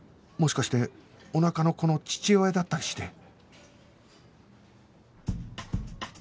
もしかしておなかの子の父親だったりして